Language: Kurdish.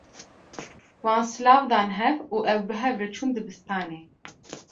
Wan silav dan hev û ew bi hev re çûn dibistanê.